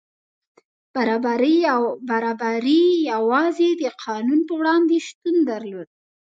برابري یوازې د قانون په وړاندې شتون درلود.